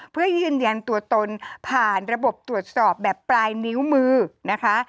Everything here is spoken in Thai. เพื่อยืนยันตัวตนผ่านระบบตรวจสอบแบบปลายนิ้วมือนะคะ